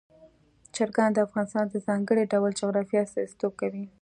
چرګان د افغانستان د ځانګړي ډول جغرافیه استازیتوب کوي.